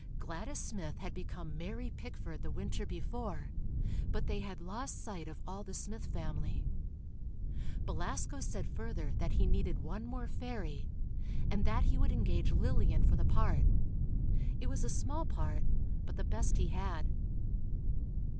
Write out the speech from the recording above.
Gladys Smith had become "Mary Pickford" the winter before, but they had lost sight of all the Smith family. Belasco said further that he needed one more fairy, and that he would engage Lillian for the part. It was a small part, but the best he had.